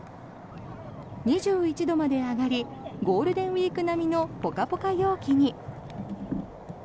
２１度まで上がりゴールデンウィーク並みのポカポカ陽気に。